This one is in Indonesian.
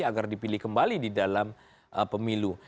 agar dipilih kembali di dalam pemilu